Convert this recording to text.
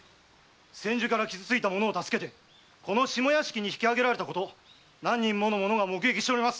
千住から傷付いた者を助けてこの下屋敷に引き揚げられたこと何人もの者が目撃しております。